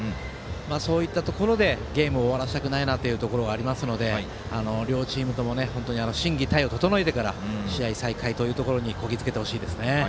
そういったところでゲームを終わらせたくないなというのはあるので両チームとも本当に心技体を整えてから試合再開にこぎつけてほしいですね。